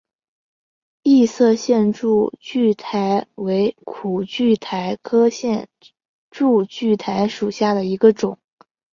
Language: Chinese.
异色线柱苣苔为苦苣苔科线柱苣苔属下的一个种。